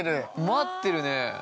◆待ってるね。